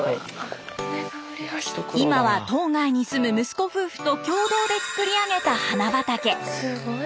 今は島外に住む息子夫婦と共同でつくり上げた花畑。